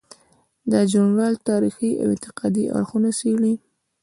دا ژورنال تاریخي او انتقادي اړخونه څیړي.